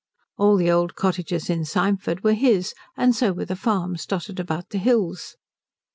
All the old cottages in Symford were his, and so were the farms dotted about the hills.